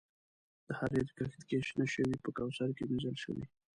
د حریر کښت کې شنه شوي په کوثر کې مینځل شوي